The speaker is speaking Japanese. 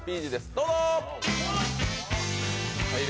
どうぞ！